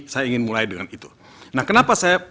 saya ingin mulai dengan itu nah kenapa saya